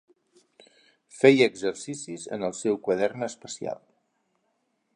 Feia exercicis en el seu quadern especial.